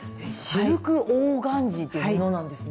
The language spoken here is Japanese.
シルクオーガンジーという布なんですね。